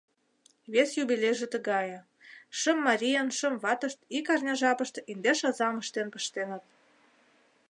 Вес юбилейже тыгае: шым марийын шым ватышт ик арня жапыште индеш азам ыштен пыштеныт.